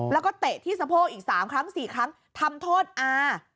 อ๋อแล้วก็เตะที่สะโพกอีก๓๔ครั้งทำโทษอ้า